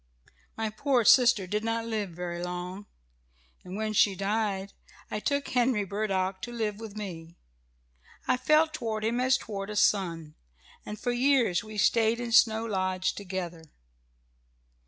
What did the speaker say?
"My poor sister did not live very long, and when she died I took Henry Burdock to live with me. I felt toward him as toward a son, and for years we stayed in Snow Lodge together.